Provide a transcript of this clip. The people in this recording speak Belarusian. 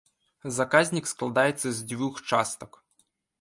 Заказнік складаецца з дзвюх частак.